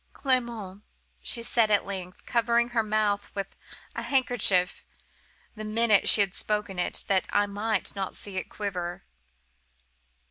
"'Clement?' she said at length, covering her mouth with a handkerchief the minute she had spoken, that I might not see it quiver.